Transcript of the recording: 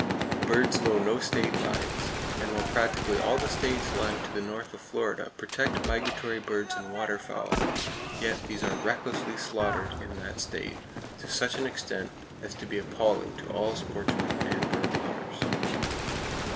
Birds know no state lines, and while practically all the States lying to the north of Florida protect migratory birds and waterfowl, yet these are recklessly slaughtered in that state to such an extent as to be appalling to all sportsmen and bird lovers.